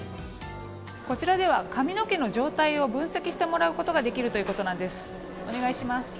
こちらでは髪の毛の状態を分析してもらうことができるということなんです。